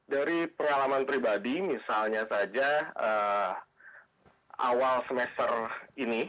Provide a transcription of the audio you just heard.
dari pengalaman pribadi misalnya saja awal semester ini